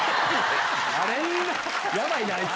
ヤバいなあいつ。